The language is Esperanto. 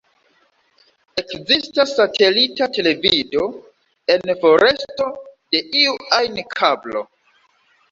Ekzistas satelita televido, en foresto de iu ajn kablo.